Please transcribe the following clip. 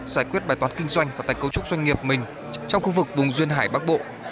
giải quyết bài toán kinh doanh và tạch cấu trúc doanh nghiệp mình trong khu vực vùng duyên hải bắc bộ